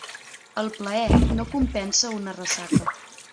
El plaer no compensa una ressaca.